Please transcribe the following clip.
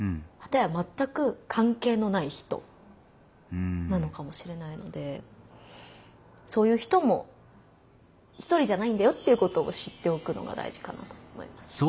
かたやまったく関係のない人なのかもしれないのでそういう人も一人じゃないんだよっていうことを知っておくのが大事かなと思います。